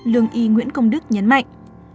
lương y nguyễn công đức nhấn mạnh